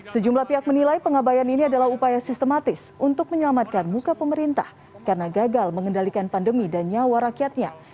sejumlah pihak menilai pengabayan ini adalah upaya sistematis untuk menyelamatkan muka pemerintah karena gagal mengendalikan pandemi dan nyawa rakyatnya